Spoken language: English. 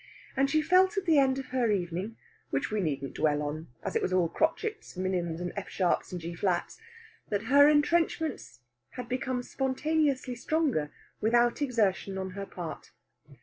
And she felt at the end of her evening (which we needn't dwell on, as it was all crotchets, minims, and F sharps and G flats) that her entrenchments had become spontaneously stronger without exertion on her part.